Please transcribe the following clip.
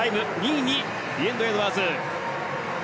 ２位にリエンド・エドワーズ。